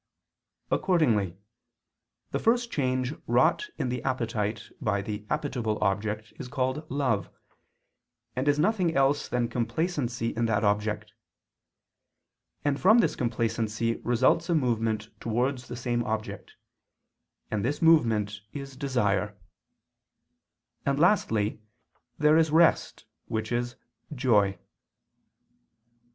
Accordingly, the first change wrought in the appetite by the appetible object is called "love," and is nothing else than complacency in that object; and from this complacency results a movement towards that same object, and this movement is "desire"; and lastly, there is rest which is "joy."